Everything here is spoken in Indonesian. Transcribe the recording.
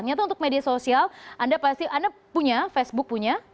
nyata untuk media sosial anda pasti anda punya facebook punya